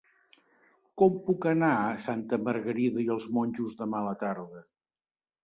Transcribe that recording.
Com puc anar a Santa Margarida i els Monjos demà a la tarda?